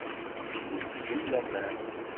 Ttgen deg-m laman.